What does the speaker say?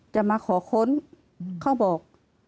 จะมาขอค้นเขาบอก